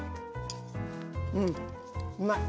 うんうまい！